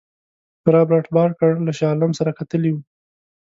رابرټ بارکر له شاه عالم سره کتلي وه.